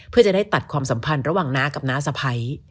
เพื่อจะได้ตัดความสัมพันธ์ระหว่างน้ากับน้าสะพ้าย